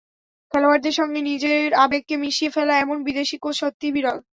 খেলোয়াড়দের সঙ্গে নিজের আবেগকে মিশিয়ে ফেলা এমন বিদেশি কোচ সত্যিই বিরল।